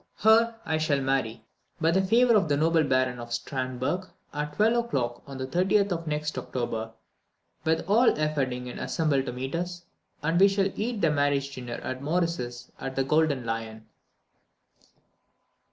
Her I shall marry, by favour of the noble Baron of Stahrenberg, at 12 o'clock on the 30th of next October, with all Eferdingen assembled to meet us, and we shall eat the marriage dinner at Maurice's at the Golden Lion."